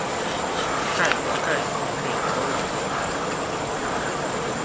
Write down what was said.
蓋不蓋棉被都一樣